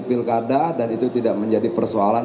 pilkada dan itu tidak menjadi persoalan